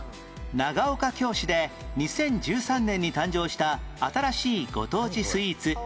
長岡京市で２０１３年に誕生した新しいご当地スイーツ